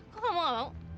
kok kamu nggak mau